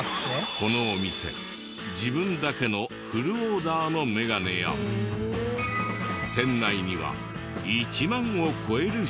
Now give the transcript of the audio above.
このお店自分だけのフルオーダーのメガネや店内には１万を超える商品が。